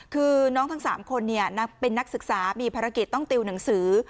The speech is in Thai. คือน้องทั้ง๓คนเป็นนักศึกษามีภารกิจต้องติวหนังสือ